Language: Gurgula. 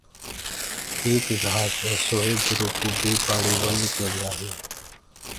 ايڪ گھآس ايسو هي جرو ڪوُ بي پآڙي ول ڪيندآ هينٚ۔